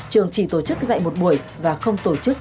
trường chỉ tổ chức dạy một buổi và không tổ chức